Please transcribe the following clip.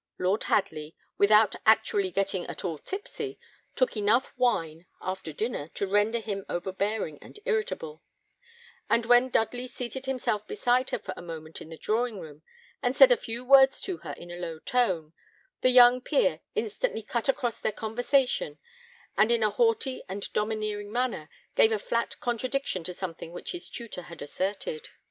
Lord Hadley, without actually getting at all tipsy, took enough wine after dinner to render him overbearing and irritable; and when Dudley seated himself beside her for a moment in the drawing room, and said a few words to her in a low tone, the young peer instantly cut across their conversation, and in a haughty and domineering manner, gave a flat contradiction to something which his tutor had asserted.